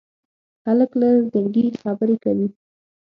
هلک له زړګي خبرې کوي.